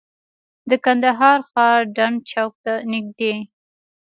د کندهار ښار ډنډ چوک ته نږدې.